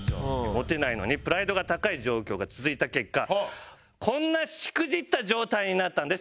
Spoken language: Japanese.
モテないのにプライドが高い状況が続いた結果こんなしくじった状態になったんです。